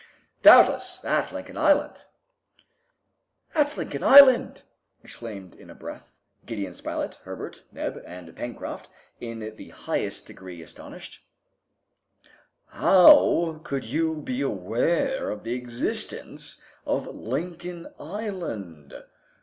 "Doubtless, at Lincoln Island." "At Lincoln Island!" exclaimed in a breath Gideon Spilett, Herbert, Neb, and Pencroft, in the highest degree astonished. "How could you be aware of the existence of Lincoln Island?"